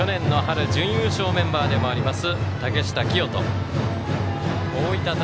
去年の春準優勝メンバーでもあります